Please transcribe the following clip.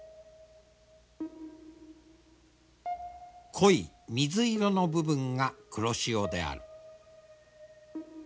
濃い水色の部分が黒潮である。